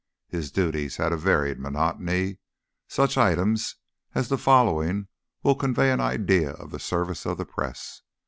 His duties had a varied monotony. Such items as the following will convey an idea of the service of the press.